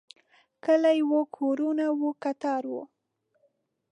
کلی و، کورونه و، کتار و